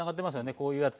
こういうやつ。